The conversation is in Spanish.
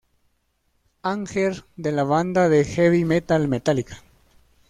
Anger" de la banda de "heavy metal" Metallica.